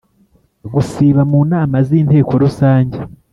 Gusiba mu nama z Inteko Rusange